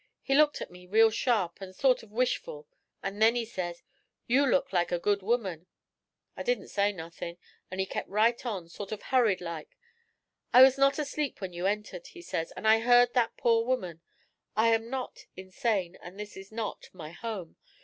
He looked at me real sharp, an' sort of wishful, and then he says, "You look like a good woman." 'I didn't say nothin', an' he kep' right on, sort of hurried like. "I was not asleep when you entered," he says, "and I heard that poor woman. I am not insane, and this is not my home.